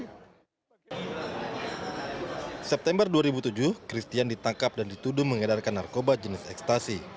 september dua ribu tujuh christian ditangkap dan dituduh mengedarkan narkoba jenis ekstasi